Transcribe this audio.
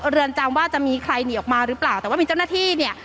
เรือนจำว่าจะมีใครหนีออกมาหรือเปล่าแต่ว่ามีเจ้าหน้าที่เนี่ย